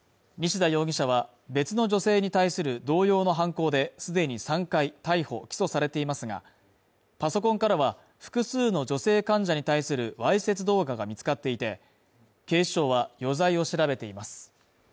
西田容疑者は、別の女性に対する同様の犯行で既に３回逮捕・起訴されていますが、パソコンからは複数の女性患者に対するわいせつ動画が見つかっていて、警視庁は余罪を調べています。